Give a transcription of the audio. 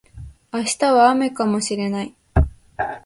明日は雨かもしれない